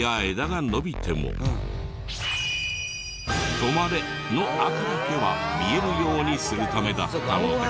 「止まれ」の赤だけは見えるようにするためだったんです。